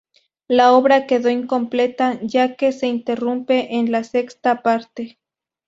La obra quedó incompleta ya que se interrumpe en la sexta parte.